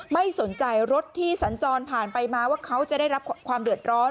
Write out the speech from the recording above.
ไม่สนใจรถที่สัญจรผ่านไปมาว่าเขาจะได้รับความเดือดร้อน